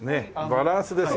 バランスですよ。